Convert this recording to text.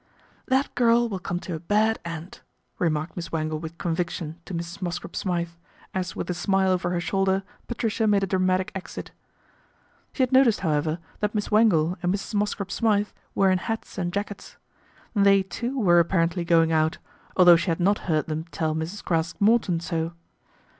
" That girl will come to a bad end," remarked Miss Wangle with conviction to Mrs. Mosscrop Smythe, as with a smile over her shoulder Patricia made a dramatic exit. She had noticed, however, that Miss Wangle and Mrs. Mosscrop Smythe were in hats and jackets. They, too, were ap parently going out, although she had not heard them tell Mrs. Craske Morton so.